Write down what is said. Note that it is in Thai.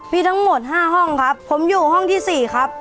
มีทั้งหมด๕ห้องครับผมอยู่ห้องที่๔ครับ